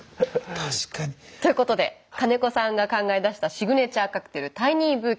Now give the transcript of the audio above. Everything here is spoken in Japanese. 確かに。ということで金子さんが考え出したシグネチャーカクテルタイニーブーケ。